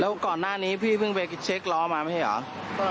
แล้วก่อนหน้านี้พี่เพิ่งไปเช็คล้อมาไม่ใช่เหรอ